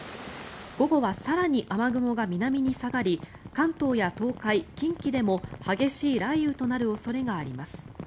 午後は更に雨雲が南に下がり関東や東海、近畿でも激しい雷雨となる恐れがあります。